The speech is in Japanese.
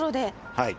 はい。